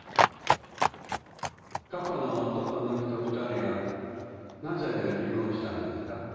過去の男の人２人はなぜ離婚したんですか？